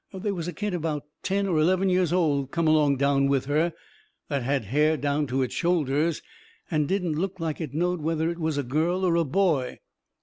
They was a kid about ten or eleven years old come along down with her, that had hair down to its shoulders and didn't look like it knowed whether it was a girl or a boy.